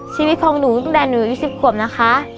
ชีวิตของหนูเล่นหนูอยู่สิบขวบนะคะ